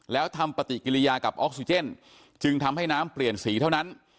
แล้วทำปฏิกิริยากับออกซิเจนจึงทำให้น้ำเปลี่ยนสีเท่านั้น